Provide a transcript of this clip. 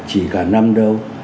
chỉ cả năm đâu